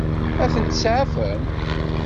Ad tent-tseɛfem?